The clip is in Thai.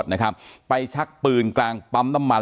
อ๋อเจ้าสีสุข่าวของสิ้นพอได้ด้วย